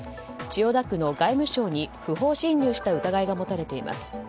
千代田区の外務省に不法侵入した疑いが持たれています。